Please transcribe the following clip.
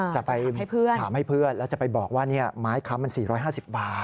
จะไปถามให้เพื่อนแล้วจะไปบอกว่าไม้ค้ำมัน๔๕๐บาท